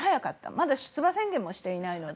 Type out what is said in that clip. まだ出馬宣言もしていないので。